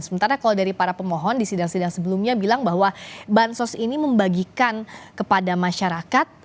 sementara kalau dari para pemohon di sidang sidang sebelumnya bilang bahwa bansos ini membagikan kepada masyarakat